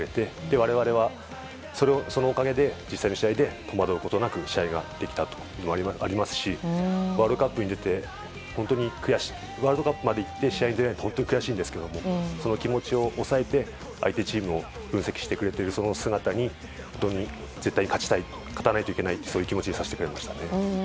我々は、そのおかげで実際の試合で戸惑うことなく試合ができたというのがありますしワールドカップまで行って試合に出れないって本当に悔しいんですけれどもその気持ちを抑えて相手チームを分析してくれているその姿に、本当に絶対に勝ちたい勝たないといけないというそういう気持ちにさせてくれましたね。